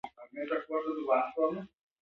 د کابل سیند د افغانستان د ټولنې لپاره بنسټيز دی.